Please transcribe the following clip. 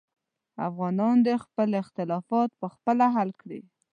افغانان دې خپل اختلافات پخپله حل کړي.